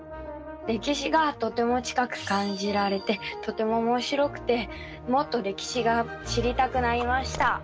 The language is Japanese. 歴史がとても近く感じられてとてもおもしろくてもっと歴史が知りたくなりました。